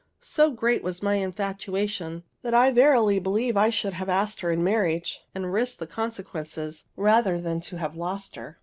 So great was my infatuation, that I verily believe I should have asked her in marriage, and risked the consequences, rather than to have lost her.